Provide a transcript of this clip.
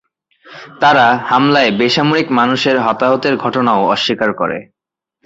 তারা হামলায় বেসামরিক মানুষের হতাহতের ঘটনাও অস্বীকার করে।